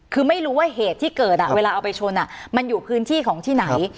คือไม่รู้ว่าเหตุที่เกิดเวลาเอาไปชนมันอยู่พื้นที่ของที่ไหน